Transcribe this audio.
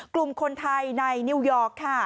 กลุ่มคนไทยในนิวยอร์กค่ะ